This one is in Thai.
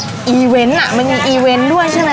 มีอีเว้นนะมันมีอีเว้นด้วยใช่มั้ย